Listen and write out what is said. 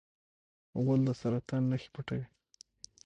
غول د سرطان نښې پټوي.